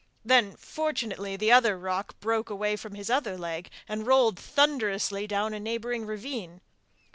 Then, fortunately the other rock broke away from his other leg and rolled thunderously down a neighbouring ravine.